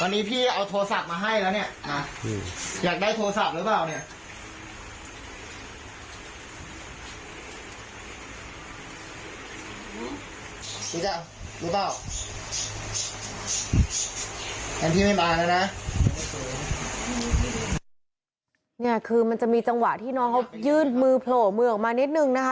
นี่คือมันจะมีจังหวะที่น้องเขายื่นมือโผล่มือออกมานิดนึงนะคะ